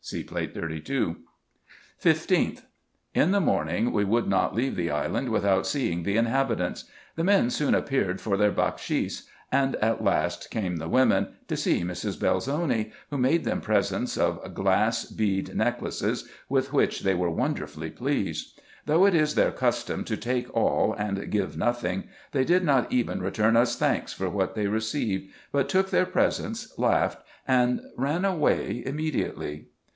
— See Plate 32. 15th. — In the morning we would not leave the island without seeing the inhabitants. The men soon appeared for their bakshis ; and at last came the women, to see Mrs. Belzoni, who made them presents of glass bead necklaces, with which they were wonderfully pleased : though, as it is their custom to take all, and give nothing, they did not even return vis thanks for what they received ; but took their presents, laughed, and ran away immediately.